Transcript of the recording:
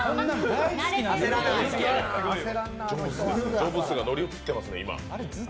ジョブズが乗り移っていますね、今。